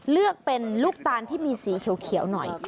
เลือกเป็นลูกตาลที่มีสีเขียวหน่อย